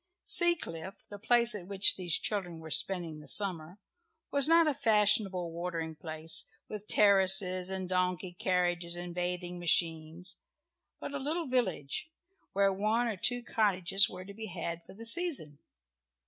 Seacliff, the place at which these children were spending the summer, was not a fashionable watering place, with terraces and donkey carriages and bathing machines, but a little village, where one or two cottages were to be had for the season.